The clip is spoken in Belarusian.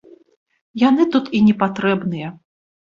Яны тут і не патрэбныя.